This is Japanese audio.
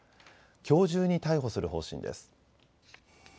きょう中に逮捕する方針です。